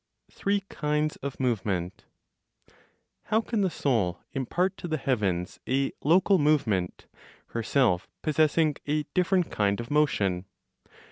THREE KINDS OF MOVEMENT. How can the Soul impart to the heavens a local movement, herself possessing a different kind of motion?